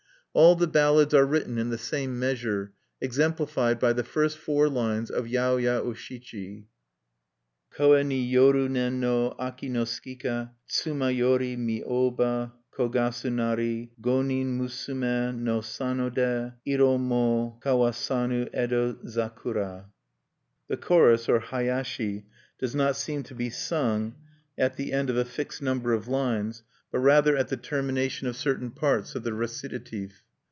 All the ballads are written in the same measure, exemplified by the first four lines of "Yaoya O Shichi." Koe ni yoru ne no, aki no skika Tsuma yori miwoba kogasu nari Go nin musume no sanno de Iro mo kawasanu Edo zakura. The chorus, or hayashi, does not seem to be sung at the end of a fixed number of lines, but rather at the termination of certain parts of the recitative.